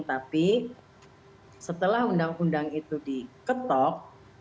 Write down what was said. tapi setelah undang undang itu diketok